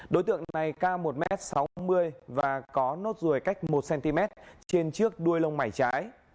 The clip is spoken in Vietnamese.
đối tượng này ca một m sáu mươi và có nốt rùi cách một cm trên chiếc đuôi lông mảy trái